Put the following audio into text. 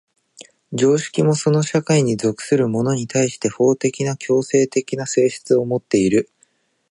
常識もその社会に属する者に対して法的な強制的な性質をもっている。